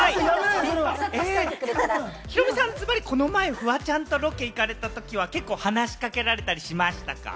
ヒロミさん、ズバリこの前、フワちゃんとロケ行かれたときは結構話しかけられたりしましたか？